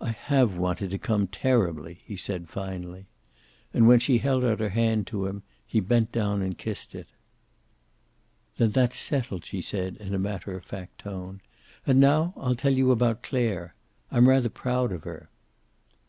"I have wanted to come, terribly," he said finally. And when she held out her hand to him, he bent down and kissed it. "Then that's settled," she said, in a matter of fact tone. "And now I'll tell you about Clare. I'm rather proud of her."